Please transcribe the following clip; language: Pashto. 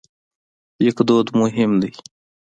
لیکدود مهم دی.